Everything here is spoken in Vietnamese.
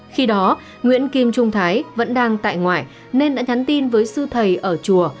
khi đó nguyễn kim trung thái vẫn đang tại ngoại nên đã nhắn tin với sư thầy ở chùa